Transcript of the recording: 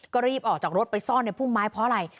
ก็รีบออกจากรถไปซ่อนในพุ่มไม้เพราะอะไร